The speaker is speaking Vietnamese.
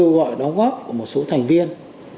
kêu gọi đóng góp của một số thành viên